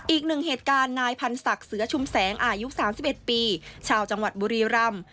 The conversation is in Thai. อีกหนึ่งเหตุการณ์นายพันธ์ศักดิ์เสือชุมแสงอายุ๓๑ปีชาวจังหวัดบุรีรำ